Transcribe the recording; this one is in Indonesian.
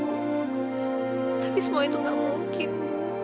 tapi semua itu gak mungkin